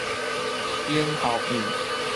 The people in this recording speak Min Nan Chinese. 音效片